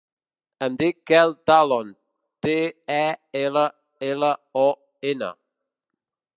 Em dic Quel Tallon: te, a, ela, ela, o, ena.